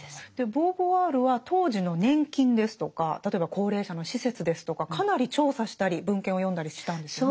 ボーヴォワールは当時の年金ですとか例えば高齢者の施設ですとかかなり調査したり文献を読んだりしたんですよね。